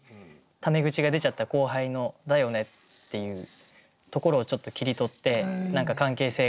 タメ口が出ちゃった後輩の「だよね」っていうところをちょっと切り取って何か関係性が出せたらいいなと思って。